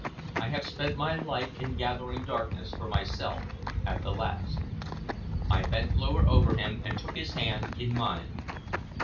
I have spent my life in gathering darkness for myself at the last." I bent lower over him, and took his hand in mine.